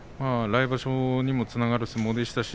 来場所にもつながる相撲でしたし